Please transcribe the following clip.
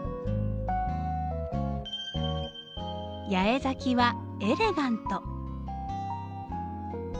八重咲きはエレガント。